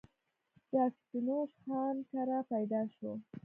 د افتينوش خان کره پيدا شو